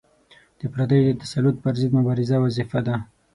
د پردیو د تسلط پر ضد مبارزه وظیفه ده.